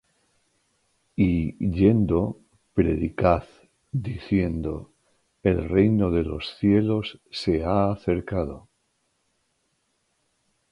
Y yendo, predicad, diciendo: El reino de los cielos se ha acercado.